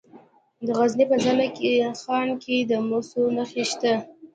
د غزني په زنه خان کې د مسو نښې شته.